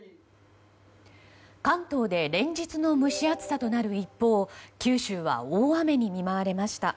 関東で連日の蒸し暑さとなる一方九州は大雨に見舞われました。